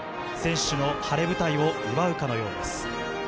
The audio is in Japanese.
選手の晴れ舞台を祝うかのようです。